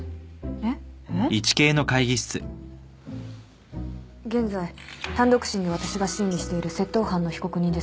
えっ？現在単独審で私が審理している窃盗犯の被告人です。